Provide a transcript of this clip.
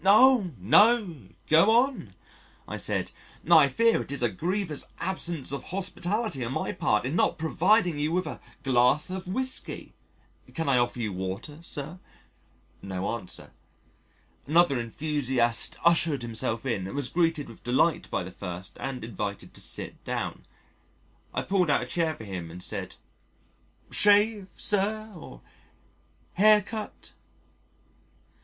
"Oh! no go on," I said, "I fear it is a grievous absence of hospitality on my part in not providing you with a glass of whiskey. Can I offer you water, Sir?" No answer. Another enthusiast ushered himself in, was greeted with delight by the first and invited to sit down. I pulled out a chair for him and said: "Shave, sir, or hair cut?"